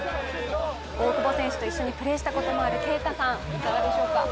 大久保選手と一緒にプレーしたこともある啓太さん、いかがでしょうか？